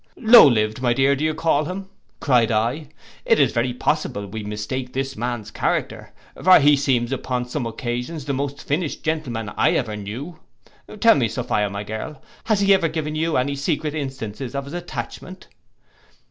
'—'Low lived, my dear, do you call him,' cried I, 'it is very possible we may mistake this man's character: for he seems upon some occasions the most finished gentleman I ever knew.—Tell me, Sophia, my girl, has he ever given you any secret instances of his attachment?